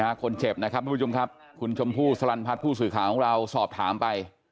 อันนี้ค่ะคนเจ็บนะครับพี่ผู้ชมครับคุณชมผู้สรรพัฒน์ผู้สื่อข่าวของเราสอบถามไป